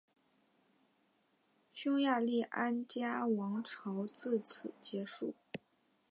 匈牙利安茄王朝自此结束。